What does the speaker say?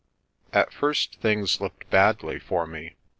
At first things looked badly for me.